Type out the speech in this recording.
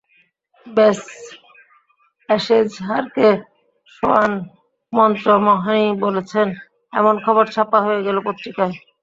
ব্যস, অ্যাশেজ হারকে সোয়ান সম্ভ্রমহানি বলেছেন—এমন খবর ছাপা হয়ে গেল পত্রিকায়।